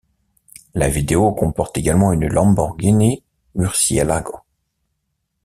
La vidéo comporte également une Lamborghini Murcielago.